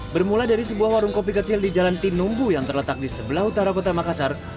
bermula dari sebuah warung kopi kecil di jalan tinumbu yang terletak di sebelah utara kota makassar